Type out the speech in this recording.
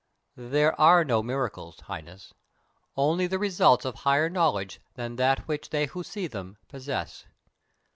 "There are no miracles, Highness: only the results of higher knowledge than that which they who see them possess.